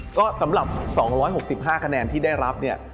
ก็สำหรับ๒๖๕คะแนนที่ได้รับเนี่ย